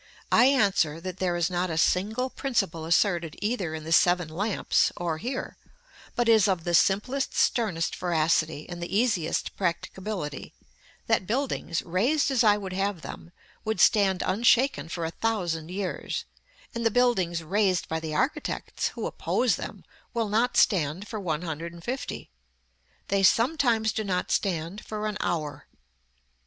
I answer, that there is not a single principle asserted either in the "Seven Lamps" or here, but is of the simplest, sternest veracity, and the easiest practicability; that buildings, raised as I would have them, would stand unshaken for a thousand years; and the buildings raised by the architects who oppose them will not stand for one hundred and fifty, they sometimes do not stand for an hour.